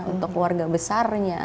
untuk keluarga besarnya